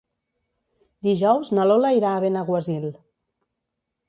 Dijous na Lola irà a Benaguasil.